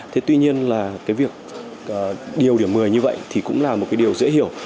thế tuy nhiên là cái việc điều điểm một mươi như vậy thì cũng là một cái điều dễ hiểu